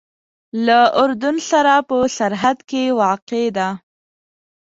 له اردن سره په سرحد کې واقع ده.